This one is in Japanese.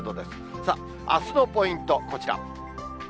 さあ、あすのポイント、こちら。